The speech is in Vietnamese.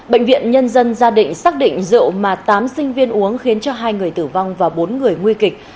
bệnh viện nhân dân gia định xác định rượu mà tám sinh viên uống khiến cho hai người tử vong và bốn người nguy kịch